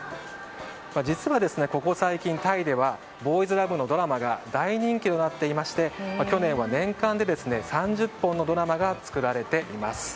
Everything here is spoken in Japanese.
実はここ最近タイではボーイズラブのドラマが大人気になっていまして去年は年間で３０本のドラマが作られています。